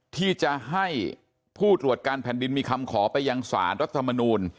ที่จะให้ผู้ตรวจการแผ่นดินมีคำขอไปยังสารรัฐมนูล